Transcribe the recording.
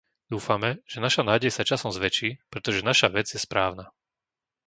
Dúfame, že naša nádej sa časom zväčší, pretože naša vec je správna.